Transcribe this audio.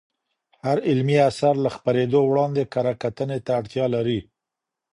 هر علمي اثر له خپریدو وړاندې کره کتنې ته اړتیا لري.